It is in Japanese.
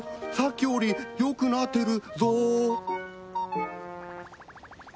さっきよりよくなってるぞ。